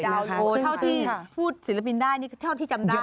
เท่าที่พูดศิลปินได้นี่เท่าที่จำได้